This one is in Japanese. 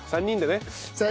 ３人でね。